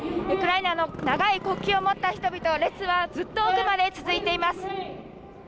ウクライナの長い国旗を持った人たちの列はずっと奥まで続いています。